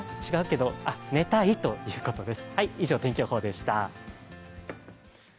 あ、寝たいということです。